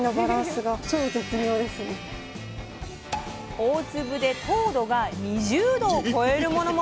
大粒で糖度が２０度を超えるものも！